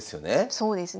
そうですね。